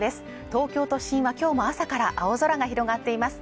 東京都心はきょうも朝から青空が広がっています